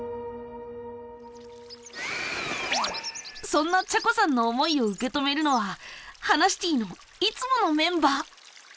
そんなちゃこさんの思いを受け止めるのは「ハナシティ」のいつものメンバー！